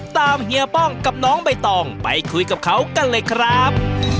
เฮียป้องกับน้องใบตองไปคุยกับเขากันเลยครับ